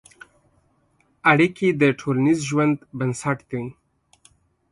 اړیکې د ټولنیز ژوند بنسټ دي.